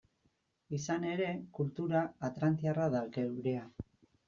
Izan ere, kultura atlantiarra da geurea.